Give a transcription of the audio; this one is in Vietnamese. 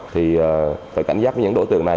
thì phải cảnh giác với những đối tượng này